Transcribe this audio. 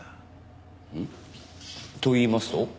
ん？といいますと？